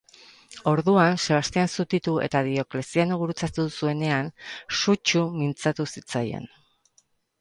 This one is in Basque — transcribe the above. Orduan, Sebastian zutitu eta Diokleziano gurutzatu zuenean sutsu mintzatu zitzaion.